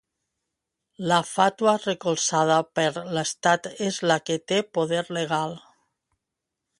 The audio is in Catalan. La fàtua recolzada per l'Estat és la que té poder legal.